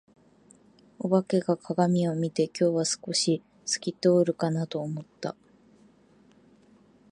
お化けが鏡を見て、「今日は少し透明過ぎるかな」と思った。